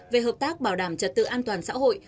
về hợp tác bảo đảm trật tự an toàn xã hội